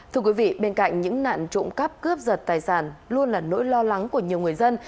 thưa quý vị bên cạnh những nạn trộm cắp cướp giật tài sản luôn là nỗi lo lắng của nhiều người dân